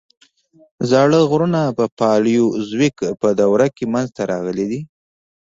زاړه غرونه په پالیوزویک په دوره کې منځته راغلي دي.